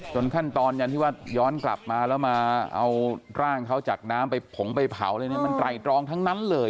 จนขั้นตอนอย่างที่ว่าย้อนกลับมาแล้วมาเอาร่างเขาจากน้ำไปผงไปเผามันไกลตรองทั้งนั้นเลย